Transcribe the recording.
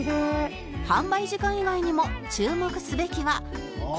販売時間以外にも注目すべきはこの層